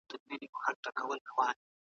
سود او سلم د پانګه والو لاره ده.